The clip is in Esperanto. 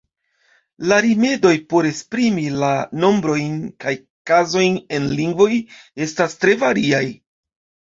La rimedoj por esprimi la nombrojn kaj kazojn en lingvoj estas tre variaj.